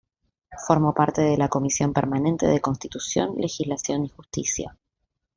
Formó parte de la comisión permanente de Constitución, Legislación y Justicia.